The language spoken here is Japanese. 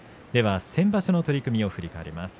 先場所の取組を振り返ります。